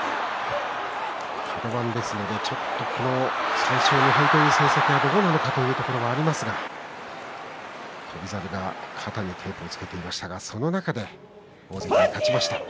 カド番ですので成績がどうなのかというところもありますけど翔猿が肩にテープをつけていましたが、その中で大関に勝ちました。